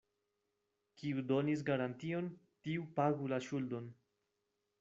Kiu donis garantion, tiu pagu la ŝuldon.